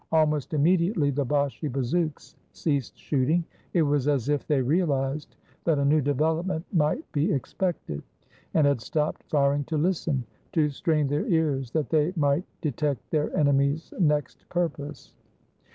Almost immediately, the Bashi bazouks ceased shooting. It was as if they realized that a new development might be expected, and had stopped firing to listen — to strain their ears, that they might detect their enemy's next purpose.